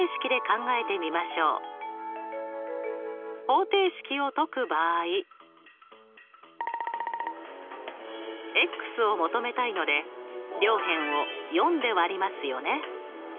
方程式を解く場合。を求めたいので両辺を４で割りますよね。